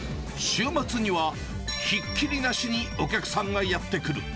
週末には、ひっきりなしにお客さんがやって来る。